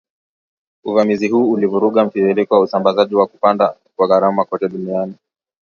Uvamizi huu ulivuruga mtiririko wa usambazaji na kupanda kwa gharama kote duniani